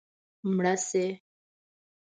مړه شي